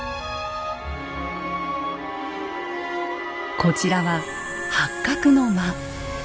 こちらは八角の間。